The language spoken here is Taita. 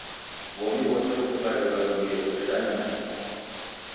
W'omi w'ose mfungade w'arumirie kudedanya na ini moni.